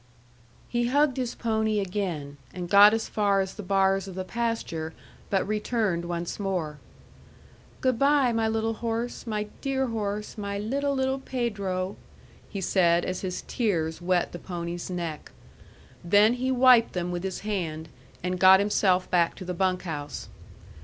He hugged his pony again, and got as far as the bars of the pasture, but returned once more. "Good by, my little horse, my dear horse, my little, little Pedro," he said, as his tears wet the pony's neck. Then he wiped them with his hand, and got himself back to the bunk house.